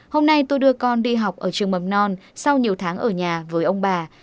hôm nay tôi đưa con đi học ở trường mầm non sau nhiều tháng ở nhà với ông bà